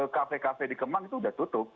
cafe cafe di kemang itu sudah tutup